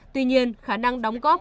tuy nhiên khả năng đóng góp